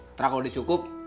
ntar kalau udah cukup